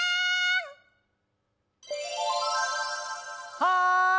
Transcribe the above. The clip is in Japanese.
はい！